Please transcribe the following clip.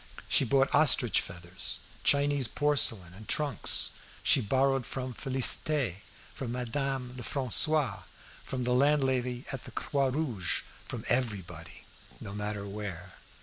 She bought ostrich feathers, Chinese porcelain, and trunks; she borrowed from Félicité, from Madame Lefrancois, from the landlady at the Croix Rouge, from everybody, no matter where.